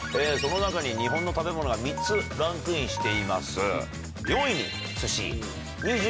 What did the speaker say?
その中に日本の食べ物が３つランクインしています。